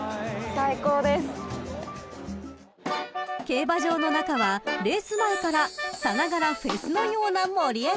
［競馬場の中はレース前からさながらフェスのような盛り上がり］